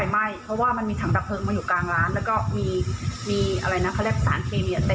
มันกลายเป็นล๊อคเพราะว่ามีคนปีนเข้ามาแล้วเปิด